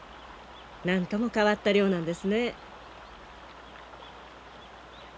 なんとも変わった漁なんですね。